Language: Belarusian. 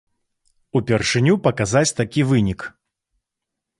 Упершыню паказаць такі вынік!